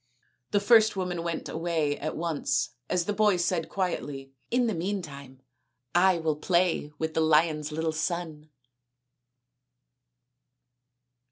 The first woman went away at once as the boy said quietly, " In the meantime I will play with the lion's little son."